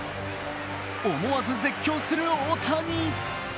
思わず絶叫する大谷。